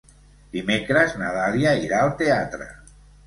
Dimecres na Dàlia irà al teatre.